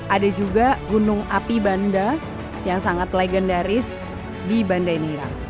ada juga gunung api banda yang sangat legendaris di banda nirang